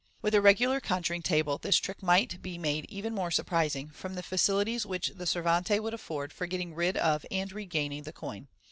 With a regular conjuring table, the trick might be made even more surprising, from the facilities which the servante would afford for getting rid of and regaining the coin.